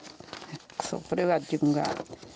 これは自分が。